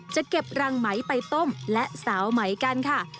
จะเก็บรังไหมไปต้มและสาวไหมกันค่ะ